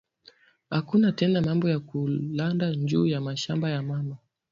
Akuna tena mambo ya kulanda nju ya mashamba ya mama